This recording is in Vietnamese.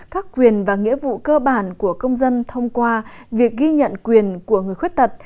các quyền và nghĩa vụ cơ bản của công dân thông qua việc ghi nhận quyền của người khuyết tật